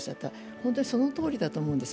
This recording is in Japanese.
本当にそのとおりだと思うんですよ。